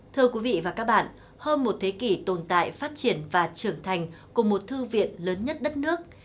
thưa quý vị và các bạn hôm một thế kỷ tồn tại phát triển và trưởng thành của một thư viện lớn nhất đất nước